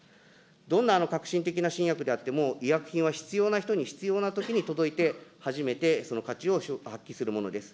どんな革新的な新薬であっても、医薬品は必要な人に必要なときに届いて、初めてその価値を発揮するものです。